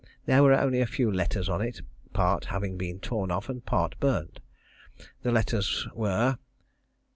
There were only a few letters on it, part having been torn off and part burned. The letters were